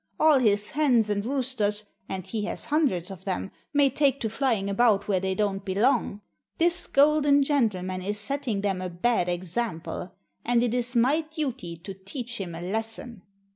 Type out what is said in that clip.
All his hens and roosters and he has a hundred of 'em may take to flying about where they don't belong. This golden gentleman is setting them a bad example. And it is my duty to teach him a lesson."